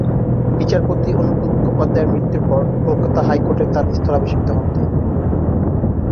বিচারপতি অনুকূল মুখোপাধ্যায়ের মৃত্যুর পর কলকাতা হাইকোর্টে তার স্থলাভিষিক্ত হন তিনি।